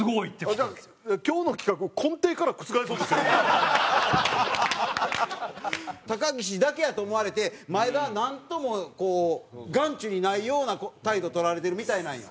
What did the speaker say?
じゃあ今日の企画を高岸だけやと思われて前田はなんともこう眼中にないような態度取られてるみたいなんよ。